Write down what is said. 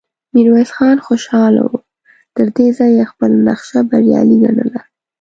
ميرويس خان خوشاله و، تر دې ځايه يې خپله نخشه بريالی ګڼله،